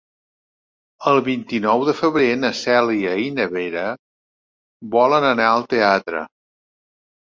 El vint-i-nou de febrer na Cèlia i na Vera volen anar al teatre.